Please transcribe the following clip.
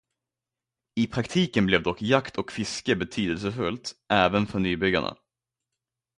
I praktiken blev dock jakt och fiske betydelsefullt även för nybyggarna.